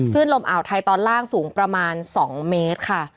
ลมอ่าวไทยตอนล่างสูงประมาณ๒เมตรค่ะ